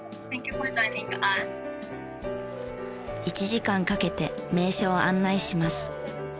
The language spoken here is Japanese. １時間かけて名所を案内します。